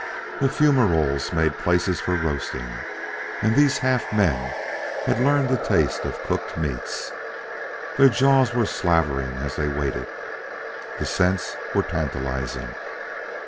The fumaroles made places for roasting, and these half men had learned the taste of cooked meats. Their jaws were slavering as they waited. The scents were tantalizing.